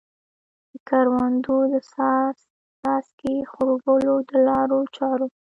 د کروندو د څاڅکې څاڅکي خړوبولو د لارو چارو.